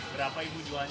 berapa ibu jualnya